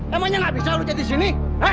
namanya gak bisa lu jadi sini